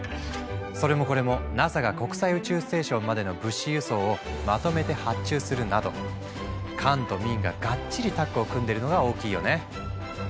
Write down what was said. それもこれもＮＡＳＡが国際宇宙ステーションまでの物資輸送をまとめて発注するなど官と民ががっちりタッグを組んでるのが大きいよね。